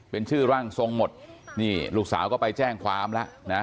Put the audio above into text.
เป็นชื่อร่างทรงหมดนี่ลูกสาวก็ไปแจ้งความแล้วนะ